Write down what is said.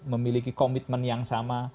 memiliki komitmen yang sama